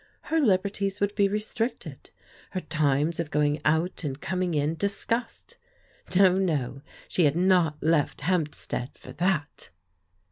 Her liberties would be restricted, her times of going out and coming in discussed. No, no, she had not left Hamp stead for that